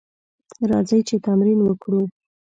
راځئ چې تمرين وکړو.